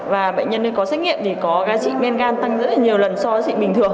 và bệnh nhân ấy có xét nghiệm thì có gai trị men gan tăng rất là nhiều lần so với chị bình thường